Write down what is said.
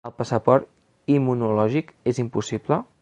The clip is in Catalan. El passaport immunològic és impossible?